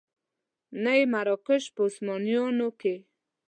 نه یې مراکش په عثمانیانو کې.